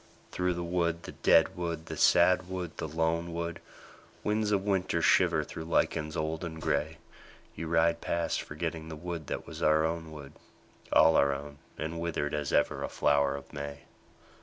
Through the wood, the dead wood, the sad wood, the lone wood, Winds of winter shiver through lichens old and grey, You ride past forgetting the wood that was our own wood, All our own and withered as ever a flower of May.